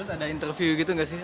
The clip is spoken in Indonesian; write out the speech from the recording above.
ada interview gitu nggak sih